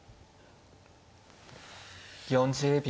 ４０秒。